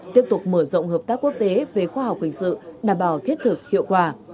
tiếp tục mở rộng hợp tác quốc tế về khoa học hình sự đảm bảo thiết thực hiệu quả